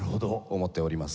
思っております。